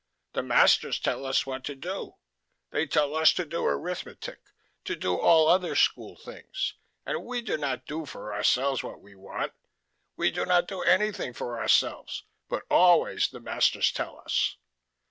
The masters tell us what to do: they tell us to do arithmetic, to do all other school things, and we do not do for ourselves what we want. We do not do anything for ourselves, but always the masters tell us.